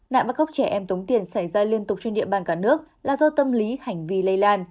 nạn bắt cóc trẻ em tống tiền xảy ra liên tục trên địa bàn cả nước là do tâm lý hành vi lây lan